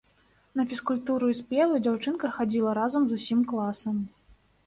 На фізкультуру і спевы дзяўчынка хадзіла разам з усім класам.